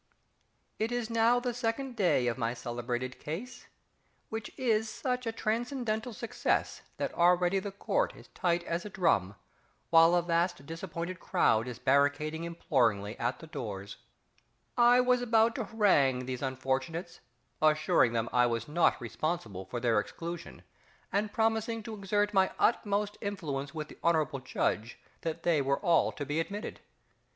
_ It is now the second day of my celebrated case, which is such a transcendental success that already the Court is tight as a drum, while a vast disappointed crowd is barricading imploringly at the doors! I was about to harangue these unfortunates, assuring them I was not responsible for their exclusion, and promising to exert my utmost influence with the Hon'ble Judge that they were all to be admitted.